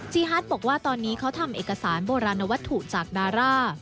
ฮัทบอกว่าตอนนี้เขาทำเอกสารโบราณวัตถุจากดารา